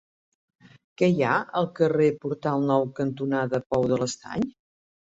Què hi ha al carrer Portal Nou cantonada Pou de l'Estany?